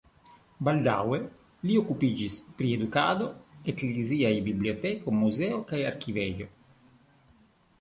Baldaŭe li okupiĝis pri edukado, ekleziaj biblioteko, muzeo kaj arkivejo.